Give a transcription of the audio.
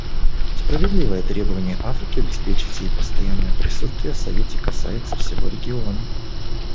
Справедливое требование Африки обеспечить ей постоянное присутствие в Совете касается всего региона.